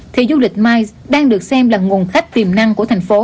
thì du lịch mice đang được xem là nguồn khách tiềm năng của thành phố